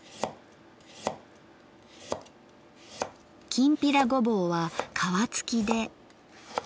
きんぴらごぼうは皮付きで。